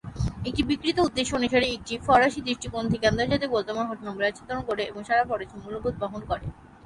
এটির বিবৃত উদ্দেশ্য অনুসারে, "একটি ফরাসি দৃষ্টিকোণ থেকে আন্তর্জাতিক বর্তমান ঘটনাবলী আচ্ছাদন করে এবং সারা ফরাসি মূল্যবোধ বহন করে"।